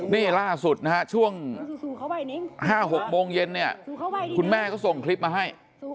นี่ล่าสุดนะฮะช่วง๕๖โมงเย็นเนี่ยคุณแม่ก็ส่งคลิปมาให้